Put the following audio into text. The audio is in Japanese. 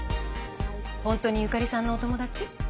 本当に由香利さんのお友達？